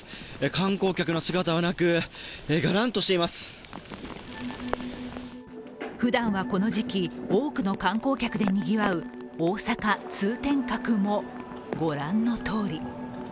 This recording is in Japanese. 観光客の姿はなく、がらんとしています。ふだんはこの時期、多くの観光客でにぎわう大阪・通天閣もご覧のとおり。